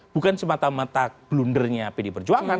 bukan semata mata blundernya pd perjuangan